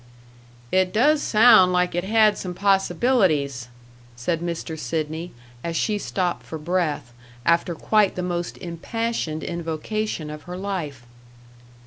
"It does sound like it had some possibilities," said Mr. Sidney, as she stopped for breath, after quite the most impassioned invocation of her life.